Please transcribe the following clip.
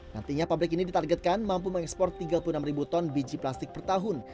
nantinya pabrik ini ditargetkan mampu mengekspor tiga puluh enam ribu ton biji plastik per tahun